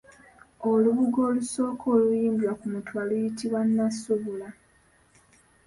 Olubugo olusooka okuyimbulwa ku mutuba luyitibwa Nnassubula.